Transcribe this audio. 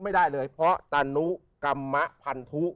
ไม่ได้เลยเพราะตานุกรรมพันธุ